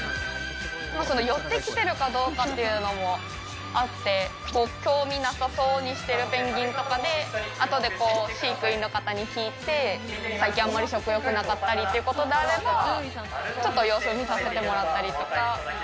寄ってきてるかどうかというのもあって、興味なさそうに捨てるペンギンとかで、後で飼育員の方に聞いて、最近、あんまり食欲なかったりということであれば、ちょっと様子を見させてもらったりとか。